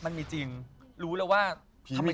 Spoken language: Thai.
มันมีจริงรู้แล้วว่าพี่มีจริง